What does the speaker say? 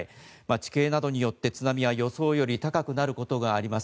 地形などによって津波は予想より高くなることがあります。